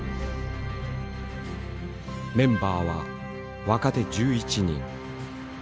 メンバーは若手１１人。